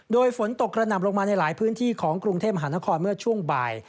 โดยฝนตกกระหน่ำลงมาในหลายพื้นที่ของกรุงเทพมหานครเมื่อช่วงบ่าย